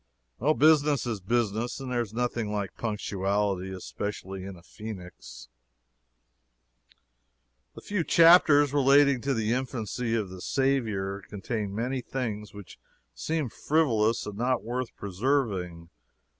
Business is business, and there is nothing like punctuality, especially in a phoenix. The few chapters relating to the infancy of the Saviour contain many things which seem frivolous and not worth preserving.